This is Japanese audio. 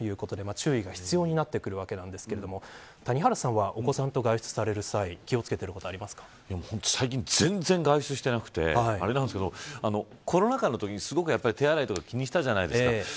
注意が必要になってくるわけですが谷原さんは、お子さんと外出される際、気を付けて最近、全然外出してなくてコロナ禍のときに手洗いとか気にしたじゃないですか。